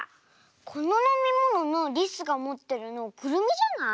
こののみもののりすがもってるのくるみじゃない？